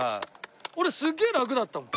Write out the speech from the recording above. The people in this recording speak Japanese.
俺すげえ楽だったもん。